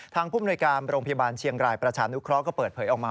ภูมิหน่วยการโรงพยาบาลเชียงรายประชานุเคราะห์ก็เปิดเผยออกมา